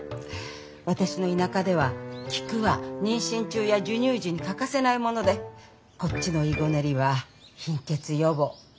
私の田舎では菊は妊娠中や授乳時に欠かせないものでこっちのいごねりは貧血予防。